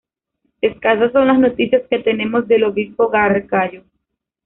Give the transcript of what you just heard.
Escasas son las noticias que tenemos del Obispo Gargallo.